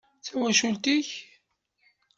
D tawacult-ik?